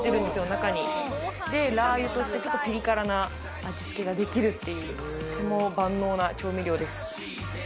中にでラー油としてちょっとピリ辛な味付けができるっていうとても万能な調味料です